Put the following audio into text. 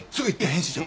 編集長。